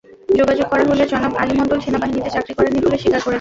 যোগাযোগ করা হলে জনাব আলী মণ্ডল সেনাবাহিনীতে চাকরি করেননি বলে স্বীকার করেছেন।